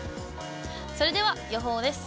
それでは予報です。